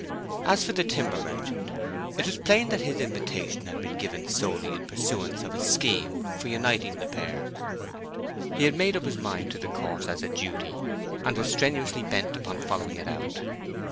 As for the timber merchant, it was plain that his invitation had been given solely in pursuance of his scheme for uniting the pair. He had made up his mind to the course as a duty, and was strenuously bent upon following it out.